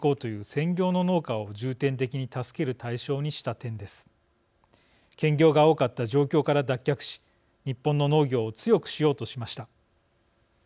兼業が多かった状況から脱却し日本の農業を強くしようとしました。